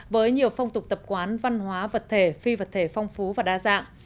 với nhiều phong tục tập quán văn hóa vật thể phi vật thể phong phú và đa dạng